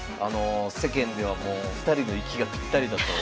世間ではもう２人の息がぴったりだと。